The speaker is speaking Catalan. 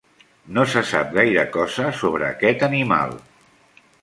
No se sap gaire cosa sobre aquest animal.